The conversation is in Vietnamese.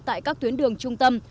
tại các tuyến đường trung tâm